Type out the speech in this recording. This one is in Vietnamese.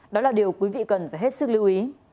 đó là điều quý vị cần phải hết sức lưu ý